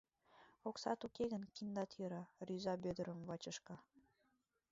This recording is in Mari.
Оксат уке гын, киндат йӧра, — рӱза Вӧдырым бачышка.